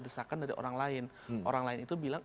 desakan dari orang lain orang lain itu bilang